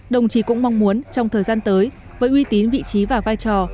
đồng chí cũng mong muốn trong thời gian tới với uy tín vị trí và vai trò